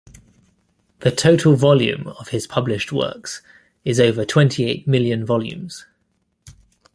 The total volume of his published works is over twenty-eight million volumes.